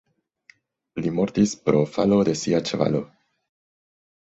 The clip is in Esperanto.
Li mortis pro falo de sia ĉevalo.